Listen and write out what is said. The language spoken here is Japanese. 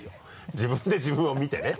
自分で自分を見てね。